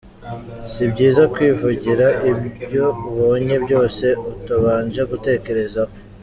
Si byiza kwivugira ibyo ubonye byose, utabanje gutekereza ho.